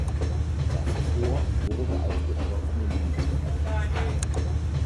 Das Fort wurde als geschlossene Lünette errichtet.